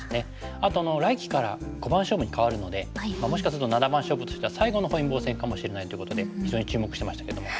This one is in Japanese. あと来期から五番勝負に変わるのでもしかすると七番勝負としては最後の本因坊戦かもしれないということで非常に注目してましたけども。